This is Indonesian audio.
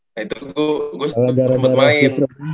nah itu gue sempat main